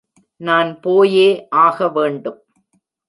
நான் போயே ஆக வேண்டும்.